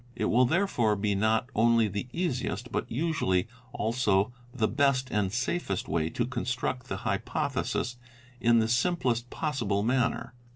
It will therefore be not only the easiest but usually also the best and safest way to construct the hypothesis in the simplest possible man ner.